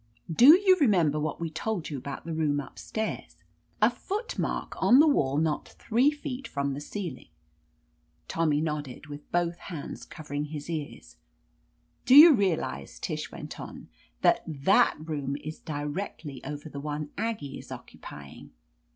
Do you remember what we 6i THE AMAZING ADVENTURES told you about the room upstairs, a foot msitk on the wall not three feet from the ceiling?" Tommy nodded, with both hands covering his ears. "Do you realize," Tish went on, "that that room is directly over the one Aggie is occupy ing?''